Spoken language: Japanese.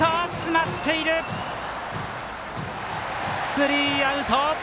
スリーアウト。